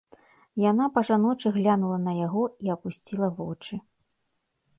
Яна па-жаночы глянула на яго і апусціла вочы.